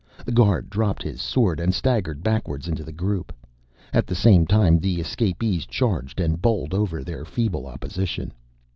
The guard dropped his sword and staggered backwards into the group. At the same time the escapees charged and bowled over their feeble opposition.